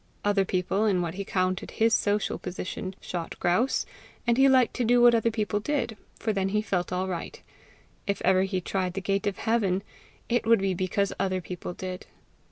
Other people, in what he counted his social position, shot grouse, and he liked to do what other people did, for then he felt all right: if ever he tried the gate of heaven, it would be because other people did.